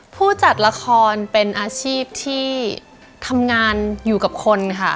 ผู้จัดละครเป็นอาชีพที่ทำงานอยู่กับคนค่ะ